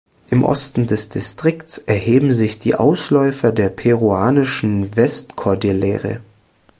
Im Osten des Distrikts erheben sich die Ausläufer der peruanischen Westkordillere.